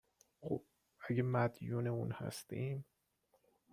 خب اگه مدیون اون هستیم